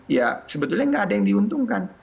ya sebetulnya nggak ada yang diuntungkan